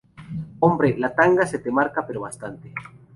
hombre, la tanga se te marca bastante, pero...